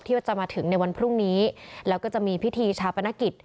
ว่าจะมาถึงในวันพรุ่งนี้แล้วก็จะมีพิธีชาปนกิจ